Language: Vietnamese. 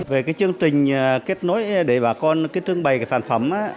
về cái chương trình kết nối để bà con trưng bày cái sản phẩm